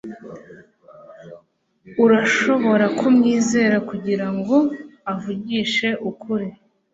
Urashobora kumwizera kugirango avugishe ukuri.